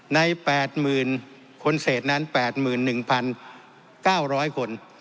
ใน๘๐๐๐คนเศษนั้น๘๑๙๐๐คน